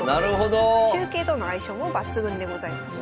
中継との相性も抜群でございます。